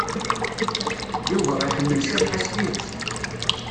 Yuba iḥemmel Cabḥa s tidet.